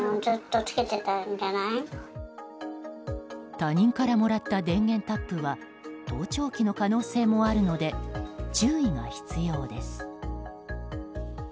他人からもらった電源タップは盗聴器の可能性もあるので注意が必要です。